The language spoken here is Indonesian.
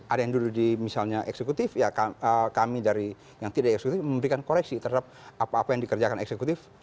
ada yang duduk di misalnya eksekutif ya kami dari yang tidak eksekutif memberikan koreksi terhadap apa apa yang dikerjakan eksekutif